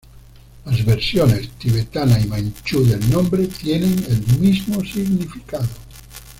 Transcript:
Las versiones tibetana y manchú del nombre tienen el mismo significado.